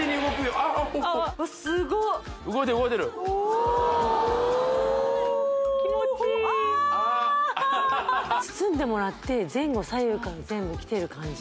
アハハハッ包んでもらって前後左右から全部きてる感じ